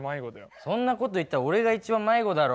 そんなこと言ったら俺が一番迷子だろ！